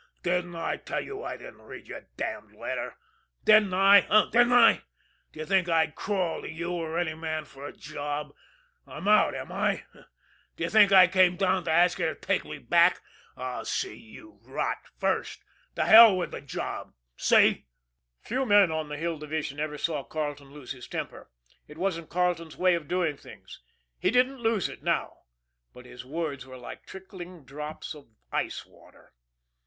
"Didn't I tell you I didn't read your damned letter? Didn't I, eh, didn't I? D'ye think I'd crawl to you or any man for a job? I'm out, am I? D'ye think I came down to ask you to take me back? I'd see you rot first! T'hell with the job see!" Few men on the Hill Division ever saw Carleton lose his temper it wasn't Carleton's way of doing things. He didn't lose it now, but his words were like trickling drops of ice water.